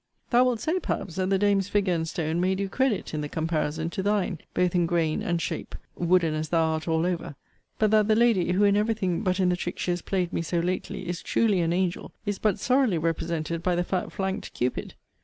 Thou wilt say, perhaps, that the dame's figure in stone may do credit, in the comparison, to thine, both in grain and shape, wooden as thou art all over: but that the lady, who, in every thing but in the trick she has played me so lately, is truly an angel, is but sorrily represented by the fat flanked cupid.